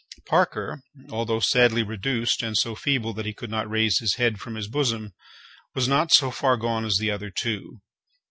Parker, although sadly reduced, and so feeble that he could not raise his head from his bosom, was not so far gone as the other two.